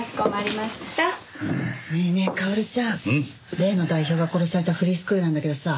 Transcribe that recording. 例の代表が殺されたフリースクールなんだけどさ。